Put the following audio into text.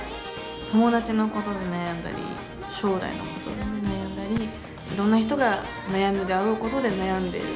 友達のことで悩んだり将来のことで悩んだりいろんな人が悩むであろうことで悩んでいる。